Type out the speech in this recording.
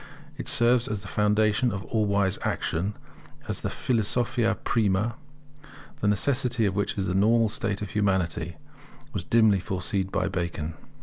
It serves as the foundation of all wise action; as the philosophia prima, the necessity of which in the normal state of humanity was dimly foreseen by Bacon.